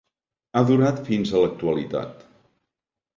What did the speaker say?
Ha durat fins a l'actualitat.